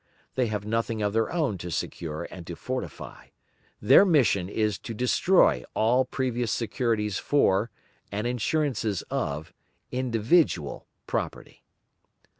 They have nothing of their own to secure and to fortify; their mission is to destroy all previous securities for, and insurances of, individual property.